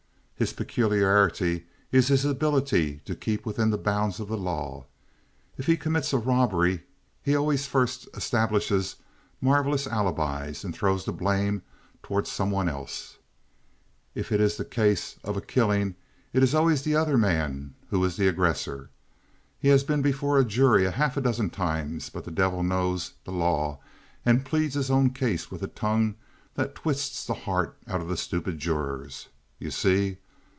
His peculiarity is his ability to keep within the bounds of the law. If he commits a robbery he always first establishes marvelous alibis and throws the blame toward someone else; if it is the case of a killing, it is always the other man who is the aggressor. He has been before a jury half a dozen times, but the devil knows the law and pleads his own case with a tongue that twists the hearts out of the stupid jurors. You see?